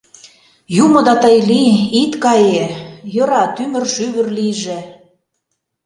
Юмо да тый лий, ит кае... йӧра, тӱмыр-шӱвыр лийже...